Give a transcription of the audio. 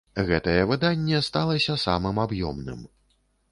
Гэтае выданне сталася самым аб'ёмным.